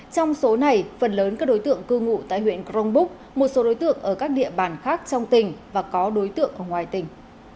trong số này phần lớn các đối tượng cư ngụ tại huyện crong búc một số đối tượng ở các địa bàn khác trong tỉnh và có đối tượng ở ngoài tỉnh